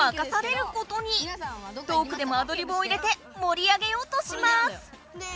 トークでもアドリブを入れてもり上げようとします！